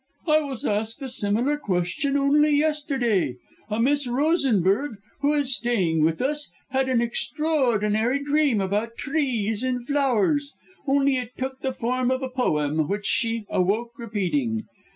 "I was asked a similar question only yesterday. A Miss Rosenberg, who is staying with us, had an extraordinary dream about trees and flowers only it took the form of a poem, which she awoke repeating.